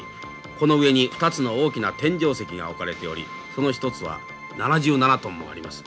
この上に２つの大きな天井石が置かれておりその一つは７７トンもあります。